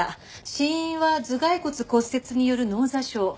死因は頭蓋骨骨折による脳挫傷。